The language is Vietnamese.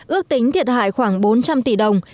ước tính thiệt hại khoảng bốn trăm linh tỷ đồng